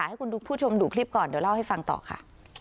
ให้คุณผู้ชมดูคลิปก่อนเดี๋ยวเล่าให้ฟังต่อค่ะ